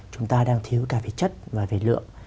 chúng ta đang thiếu cả về chất và về lượng